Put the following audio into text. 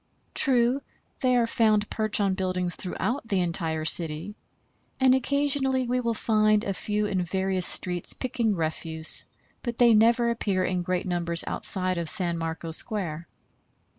True, they are found perched on buildings throughout the entire city, and occasionally we will find a few in various streets picking refuse, but they never appear in great numbers outside of San Marco Square.